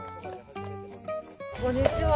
こんにちは。